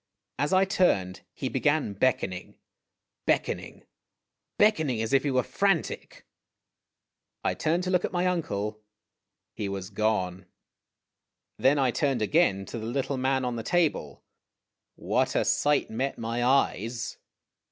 As I turned, he began beckoning beckoning beckoning, as if he were frantic. I turned to look at my uncle. He was gone. i86 IMAGINOTIONS Then I turned again to the little man on the table. What a sight met my eyes